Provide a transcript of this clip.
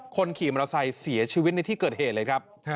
คนขี่มอเตอร์ไซค์เสียชีวิตในที่เกิดเหตุเลยครับ